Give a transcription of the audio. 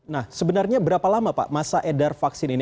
nah sebenarnya berapa lama pak masa edar vaksin ini